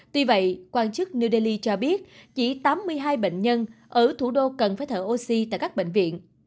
tuy vậy quan chức new delhi cho biết chỉ tám mươi hai bệnh nhân ở thủ đô cần phải thở oxy tại các bệnh viện